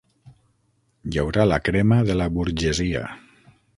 Hi haurà la crema de la burgesia.